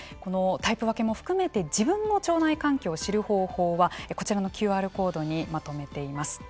タイプ分けも含めて自分の腸内環境を知る方法はこちらのＱＲコードにまとめています。